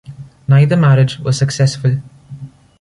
Neither marriage was successful.